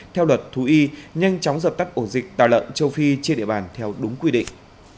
theo luật thú y nhanh chóng dập tắt ổ dịch tà lợn châu phi trên địa bàn theo đúng quy định